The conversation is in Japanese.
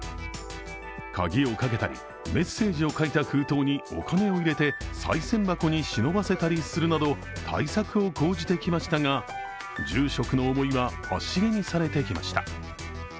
鍵をかけたりメッセージを書いた封筒にお金を入れてさい銭箱に忍ばせたりするなど、対策を講じてきましたが、住職の思いは足蹴にされてきました。